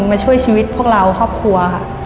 มาช่วยชีวิตพวกเราครอบครัวค่ะ